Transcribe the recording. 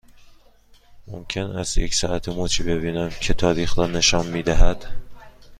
ممکن است یک ساعت مچی ببینم که تاریخ را نشان می دهد؟